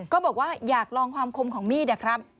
ก็บอกว่าอยากลองความคมของมีดนะครับ